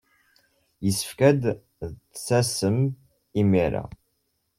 Yessefk ad d-tasem imir-a.